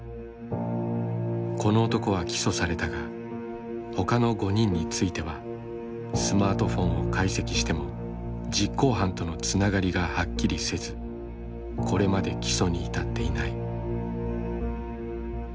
この男は起訴されたがほかの５人についてはスマートフォンを解析しても実行犯とのつながりがはっきりせずこれまで起訴に至っていない。